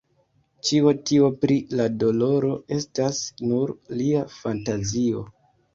Ĉio tio pri la doloro estas nur lia fantazio.